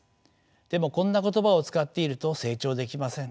でもこんな言葉を使っていると成長できません。